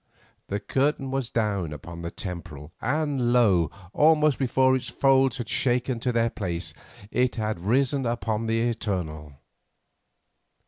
The curtain was down upon the Temporal, and lo! almost before its folds had shaken to their place, it had risen upon the Eternal.